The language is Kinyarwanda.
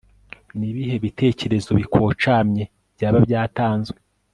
ni ibihe bitekerezo bikocamye, byaba byatanzwe